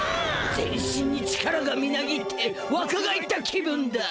全身に力がみなぎってわか返った気分だ。